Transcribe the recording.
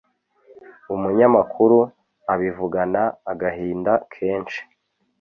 umunyamakuru abivugana agahinda kenshi